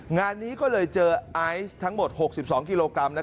งานนี้ก็เลยเจอไอซ์ทั้งหมด๖๒กิโลกรัม